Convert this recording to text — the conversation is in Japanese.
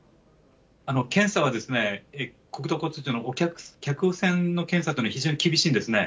検査はですね、国土交通省の客船の検査というのは、非常に厳しいんですね。